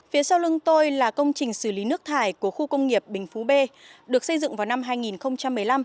phía sau lưng tôi là công trình xử lý nước thải của khu công nghiệp bình phú b được xây dựng vào năm hai nghìn một mươi năm